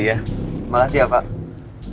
iya makasih ya pak